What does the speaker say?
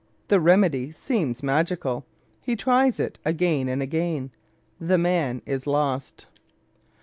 The remedy seems magical; he tries it again and again. The man is lost.